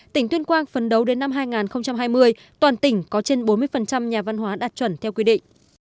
tỉnh tuyên quang phấn đấu đến năm hai nghìn hai mươi toàn tỉnh có trên bốn mươi nhà văn hóa đạt chuẩn theo quy định